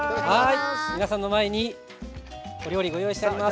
皆さんの前にお料理ご用意してあります。